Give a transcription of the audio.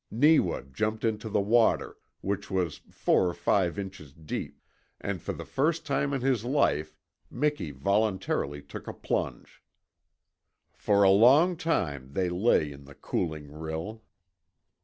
Neewa jumped into the water, which was four or five inches deep, and for the first time in his life Miki voluntarily took a plunge. For a long time they lay in the cooling rill.